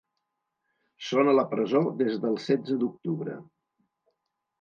Són a la presó des del setze d’octubre.